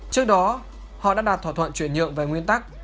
trước đó họ đã đạt thỏa thuận chuyển nhượng về nguyên tắc